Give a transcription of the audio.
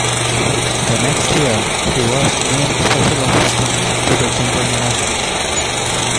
The next year, he was named special assistant to the general manager.